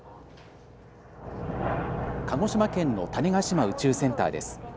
鹿児島県の種子島宇宙センターです。